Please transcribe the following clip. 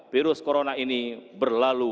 virus corona ini berlalu